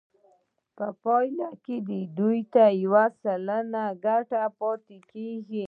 په پایله کې دوی ته یو سلنه ګټه پاتې کېږي